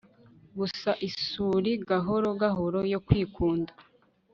gusa isuri gahoro gahoro yo kwikunda